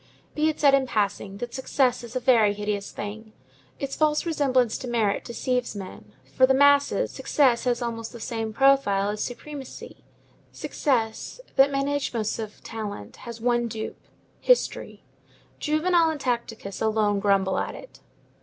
Be it said in passing, that success is a very hideous thing. Its false resemblance to merit deceives men. For the masses, success has almost the same profile as supremacy. Success, that Menæchmus of talent, has one dupe,—history. Juvenal and Tacitus alone grumble at it.